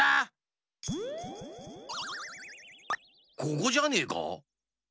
ここじゃねえか？